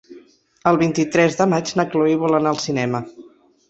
El vint-i-tres de maig na Chloé vol anar al cinema.